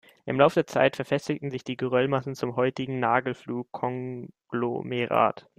Im Lauf der Zeit verfestigten sich die Geröllmassen zum heutigen Nagelfluh-Konglomerat.